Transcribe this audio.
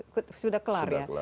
ke tiga sudah kelar